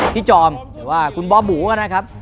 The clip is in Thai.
พี่จอมหรือว่าคุณบ๊อบบูก็นะครับ